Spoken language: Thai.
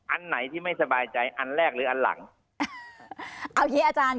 อันไหนที่ไม่สบายใจอันแรกหรืออันหลังโอเคอาจารย์